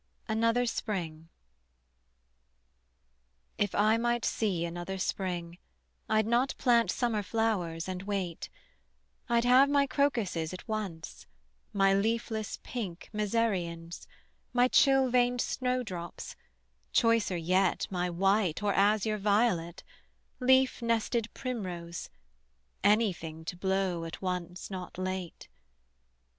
ANOTHER SPRING. If I might see another Spring I'd not plant summer flowers and wait: I'd have my crocuses at once, My leafless pink mezereons, My chill veined snowdrops, choicer yet My white or azure violet, Leaf nested primrose; anything To blow at once not late.